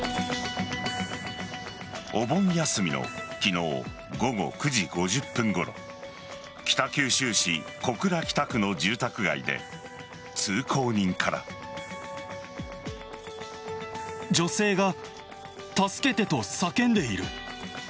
お盆休みの昨日午後９時５０分ごろ北九州市小倉北区の住宅街で通行人から。との通報が。